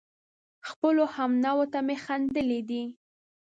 خپلو همنوعو ته مې خندلي دي